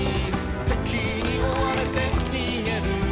「敵に追われて逃げる」